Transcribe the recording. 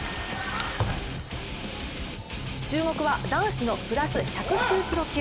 注目は、男子のプラス１０９ｋｇ級。